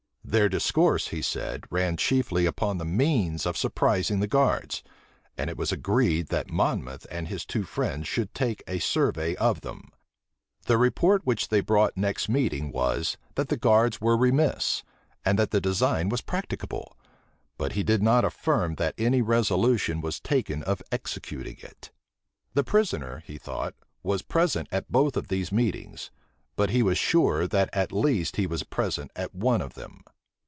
Their discourse, he said, ran chiefly upon the means of surprising the guards; and it was agreed, that Monmouth and his two friends should take a survey of them. The report which they brought next meeting was, that the guards were remiss, and that the design was practicable: but he did not affirm that any resolution was taken of executing it. The prisoner, he thought, was present at both these meetings; but he was sure that at least he was present at one of them.